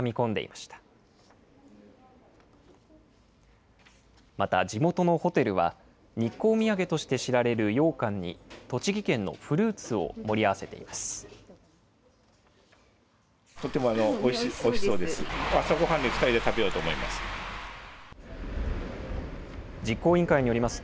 また地元のホテルは、日光土産として知られるようかんに、栃木県のフルーツを盛り合わせています。